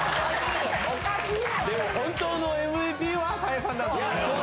でも本当のＭＶＰは多江さんだと思う。